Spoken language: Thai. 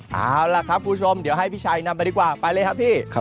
เอาล่ะครับคุณผู้ชมเดี๋ยวให้พี่ชัยนำไปดีกว่าไปเลยครับพี่